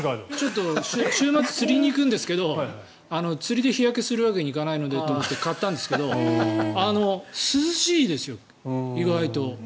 週末、釣りに行くんですけど釣りで日焼けするわけにいかないのでと思って買ったんですけど涼しいですよ、意外と。